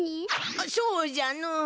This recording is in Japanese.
あっそうじゃのう。